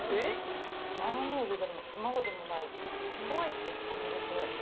マヨネーズでもたまごでもない感じですね。